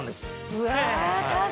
うわ。